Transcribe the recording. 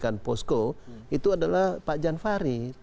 yang dipercayai dijadikan posko itu adalah pak jan farid